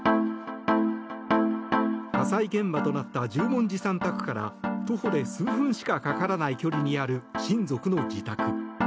火災現場となった十文字さん宅から徒歩で数分しかかからない距離にある親族の自宅。